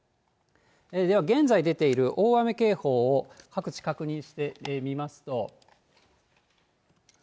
では現在出ている大雨警報を各地、確認してみますと。